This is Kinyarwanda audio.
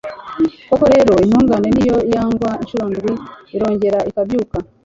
Koko rero intungane n’iyo yagwa incuro ndwi irongera ikabyuka